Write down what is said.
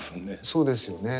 そうですよね。